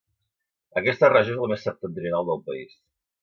Aquesta regió és la més septentrional del país.